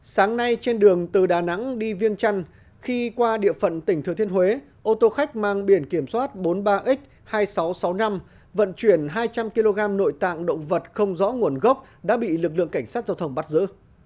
sáng nay trên đường từ đà nẵng đi viêng trăn khi qua địa phận tỉnh thừa thiên huế ô tô khách mang biển kiểm soát bốn mươi ba x hai nghìn sáu trăm sáu mươi năm vận chuyển hai trăm linh kg nội tạng động vật không rõ nguồn gốc đã bị lực lượng cảnh sát giao thông bắt giữ